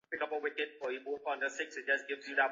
د پيغورونو مخنيوی بايد وسي.